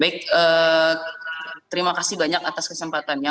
baik terima kasih banyak atas kesempatannya